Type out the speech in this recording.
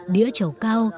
đĩa trầu cao